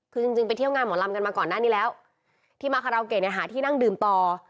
คือจริงจริงไปเที่ยวงานหมอลำกันมาก่อนหน้านี้แล้วที่มาคาราโอเกะเนี่ยหาที่นั่งดื่มต่อ